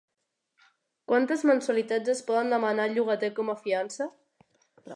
Quantes mensualitats es poden demanar al llogater com a fiança?